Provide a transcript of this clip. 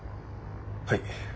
はい。